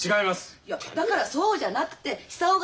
いやだからそうじゃなくて久男が。